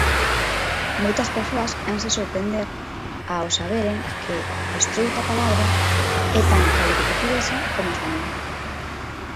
Moitas persoas hanse sorprender ao saberen que estoutra palabra é tan galegoportuguesa como española.